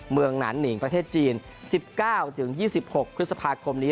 หนานหนิงประเทศจีน๑๙๒๖พฤษภาคมนี้